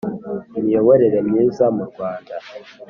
imiyoborere myiza mu Rwanda